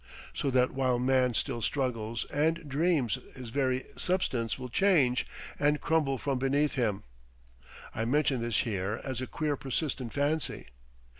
So that while man still struggles and dreams his very substance will change and crumble from beneath him. I mention this here as a queer persistent fancy.